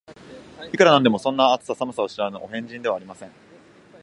いくら何でも、そんな、暑さ寒さを知らぬお変人ではありません